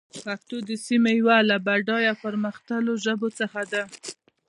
پښتو د سيمې يوه له بډايه او پرمختللو ژبو څخه ده.